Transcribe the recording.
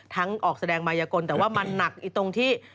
ออกแสดงมายกลแต่ว่ามันหนักอีกตรงที่